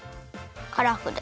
カラフル。